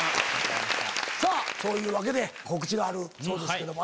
さぁそういうわけで告知があるそうですけども。